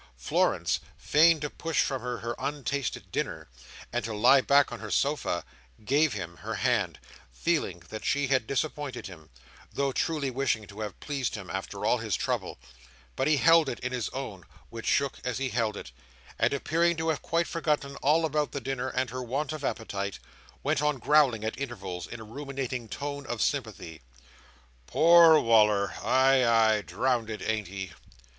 Florence, fain to push from her her untasted dinner, and to lie back on her sofa, gave him her hand, feeling that she had disappointed him, though truly wishing to have pleased him after all his trouble, but he held it in his own (which shook as he held it), and appearing to have quite forgotten all about the dinner and her want of appetite, went on growling at intervals, in a ruminating tone of sympathy, "Poor Wal"r. Ay, ay! Drownded. Ain't he?"